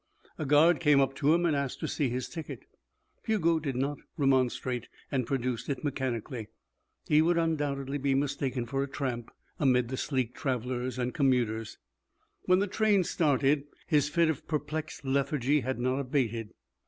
A guard came up to him and asked to see his ticket. Hugo did not remonstrate and produced it mechanically; he would undoubtedly be mistaken for a tramp amid the sleek travellers and commuters. When the train started, his fit of perplexed lethargy had not abated.